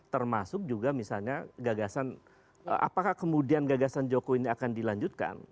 termasuk juga misalnya gagasan apakah kemudian gagasan jokowi ini akan dilanjutkan